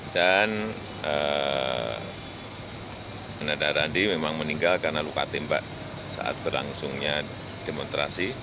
dan ananda randi memang meninggal karena luka tembak saat berlangsungnya demonstrasi